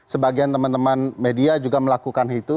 sebagian teman teman media juga melakukan itu